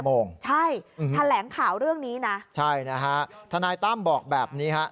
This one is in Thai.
๑๐โมงใช่แถลงข่าวเรื่องนี้นะถ้าทนายตั้มบอกแบบนี้ครับ